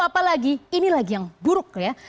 apalagi ini lagi yang buruk ya